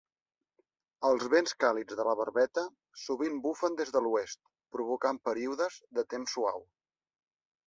Els vents càlids de la barbeta sovint bufen des de l'oest, provocant períodes de temps suau.